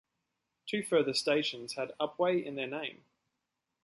Two further stations had Upwey in their name.